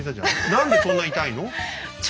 何でそんな痛いの？